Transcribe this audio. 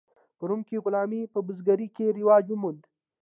په روم کې غلامي په بزګرۍ کې رواج وموند.